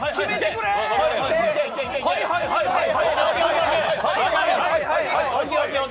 はい、はい、はい、はい！